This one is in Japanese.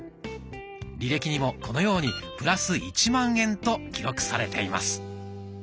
履歴にもこのようにプラス１万円と記録されています。